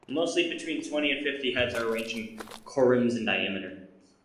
Mostly between twenty and fifty heads are arranged in corymbs in diameter.